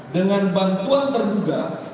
dengan bantuan terduga